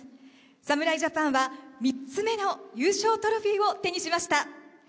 侍ジャパンは３つ目の優勝トロフィーを手にしました。